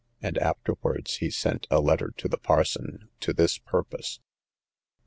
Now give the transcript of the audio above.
And afterwards he sent a letter to the parson, to this purpose:— "REV.